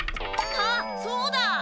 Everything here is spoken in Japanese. あっそうだ！